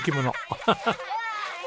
アハハッ。